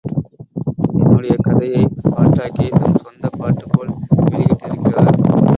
என்னுடைய கதையைப் பாட்டாக்கித் தம் சொந்தப் பாட்டுப் போல் வெளியிட்டிருக்கிறார்.